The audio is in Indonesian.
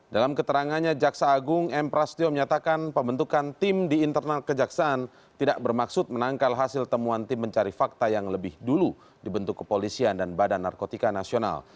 dalam keterangannya jaksa agung m prasetyo menyatakan pembentukan tim di internal kejaksaan tidak bermaksud menangkal hasil temuan tim mencari fakta yang lebih dulu dibentuk kepolisian dan badan narkotika nasional